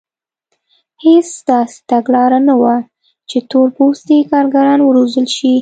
هېڅ داسې تګلاره نه وه چې تور پوستي کارګران وروزل شي.